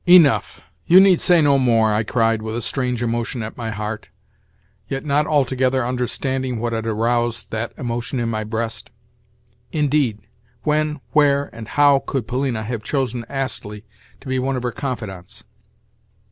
"Enough! You need say no more," I cried with a strange emotion at my heart, yet not altogether understanding what had aroused that emotion in my breast. Indeed, when, where, and how could Polina have chosen Astley to be one of her confidants?